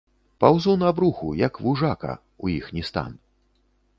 Паўзу на бруху, як вужака, у іхні стан.